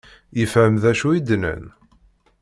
Yefhem d acu i d-nnan?